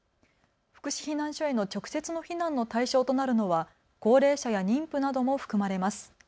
福祉避難所への直接の避難の対象となるのは高齢者や妊婦なども含まれます。